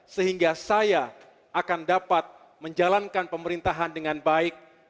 sehingga saya akan dapat menjalankan pemerintahan dengan baik